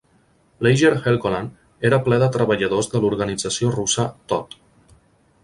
"Lager Helgoland" era ple de treballadors de l'organització russa Todt.